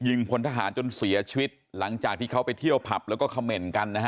พลทหารจนเสียชีวิตหลังจากที่เขาไปเที่ยวผับแล้วก็เขม่นกันนะฮะ